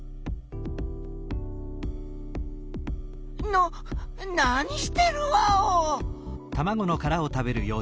な何してるワオ！？